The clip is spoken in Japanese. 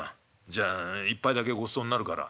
じゃあ１杯だけごちそうになるから。